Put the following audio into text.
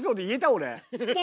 俺。